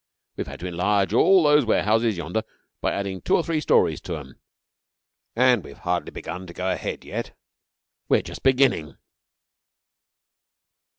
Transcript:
We've had to enlarge all those warehouses yonder by adding two or three stories to 'em, and we've hardly begun to go ahead yet. We're just beginning.'